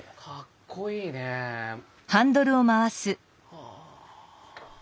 はあ。